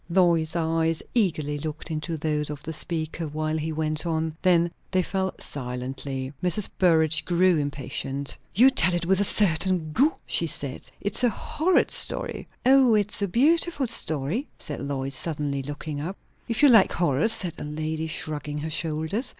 Lois's eyes eagerly looked into those of the speaker while he went on; then they fell silently. Mrs. Burrage grew impatient. "You tell it with a certain goût," she said. "It's a horrid story!" "O, it's a beautiful story!" said Lois, suddenly looking up. "If you like horrors," said the lady, shrugging her shoulders.